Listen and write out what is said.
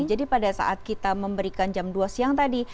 jadi pada saat kita memberikan jam dua siang tadi